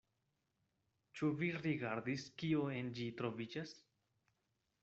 Ĉu vi rigardis, kio en ĝi troviĝas?